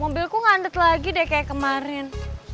mobilku ngandet lagi deh kayak kemarin